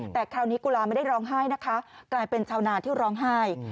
แต่คราวนี้กุลาไม่ได้ร้องไห้นะคะกลายเป็นชาวนาที่ร้องไห้